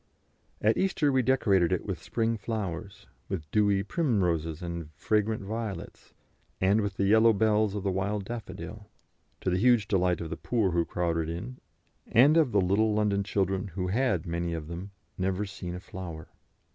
At Easter we decorated it with spring flowers, with dewy primroses and fragrant violets, and with the yellow bells of the wild daffodil, to the huge delight of the poor who crowded in, and of the little London children who had, many of them, never seen a flower.